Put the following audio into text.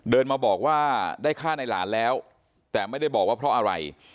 เดินมาบอกว่าได้ฆ่าในหลานแล้วแต่ไม่ได้บอกว่าเพราะอะไร